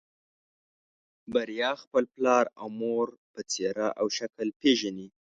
بريا خپل پلار او مور په څېره او شکل پېژني.